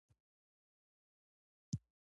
مالک د ملکیت ورکولو ته مجبوریږي.